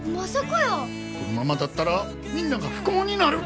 このままだったらみんなが不幸になる。